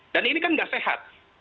dan ini kan tidak sehat